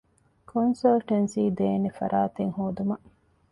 ކޮންސަލްޓެންސީދޭނެ ފަރާތެއް ހޯދުމަށް